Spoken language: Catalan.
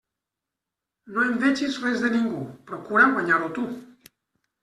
No envegis res de ningú, procura guanyar-ho tu.